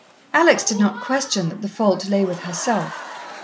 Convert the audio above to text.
Alex did not question that the fault lay with herself.